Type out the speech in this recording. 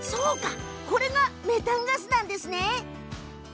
これがメタンガスなんですね。